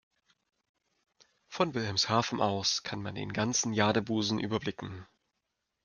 Von Wilhelmshaven aus kann man den ganzen Jadebusen überblicken.